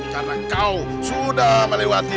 karena kau sudah melewati